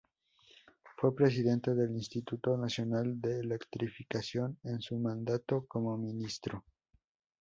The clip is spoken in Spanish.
Fue presidente del Insituto Nacional de Electrificación en su mandato como ministro.